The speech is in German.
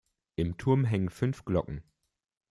Im Turm hängen fünf Glocken.